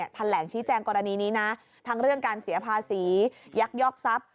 แถลงชี้แจงกรณีนี้นะทั้งเรื่องการเสียภาษียักยอกทรัพย์